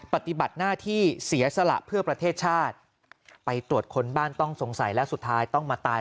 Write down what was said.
ปฏิบัติหน้าที่เสียสละเพื่อประเทศชาติไปตรวจคนบ้านต้องสงสัยและสุดท้ายต้องมาตาย